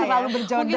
kalau enggak mungkin